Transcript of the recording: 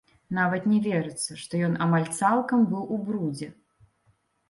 Нават не верыцца, што ён амаль цалкам быў у брудзе.